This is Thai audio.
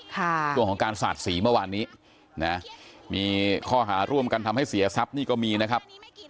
ช่วงของการสาดสีเมื่อวานนี้นะมีข้อหาร่วมกันทำให้เสียทรัพย์นี่ก็มีนะครับ